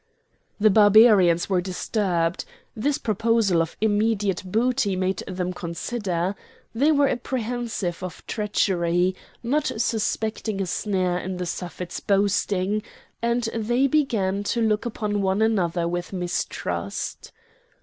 The Barbarians were disturbed: this proposal of immediate booty made them consider; they were apprehensive of treachery, not suspecting a snare in the Suffet's boasting, and they began to look upon one another with mistrust.